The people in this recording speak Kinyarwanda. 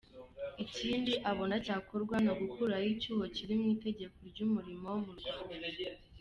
Ikindi abona cyakorwa ni ugukuraho icyuho kiri mu itegeko ry’ umurimo mu Rwanda.